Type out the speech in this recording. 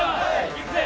・いくぜ。